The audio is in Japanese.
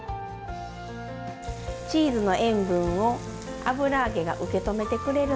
チーズの塩分を油揚げが受け止めてくれるんです。